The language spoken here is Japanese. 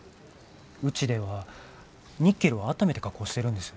うちではニッケルはあっためて加工してるんです。